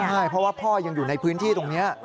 ใช่เพราะว่าพ่อยังอยู่ในพื้นที่ตรงนี้